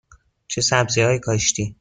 چه سبزی هایی کاشتی؟